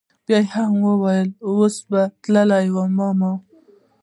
بيا يې هم وويل اوس به تلي وي ماما.